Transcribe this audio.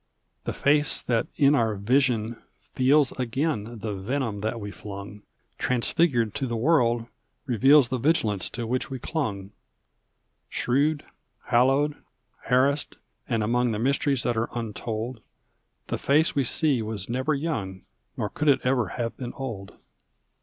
The face that in our vision feels Again the venom that we flung, Transfigured to the world reveals The vigilance to which we clung. Shrewd, hallowed, harassed, and among The mysteries that are untold. The face we see was never young Nor could it ever have been old.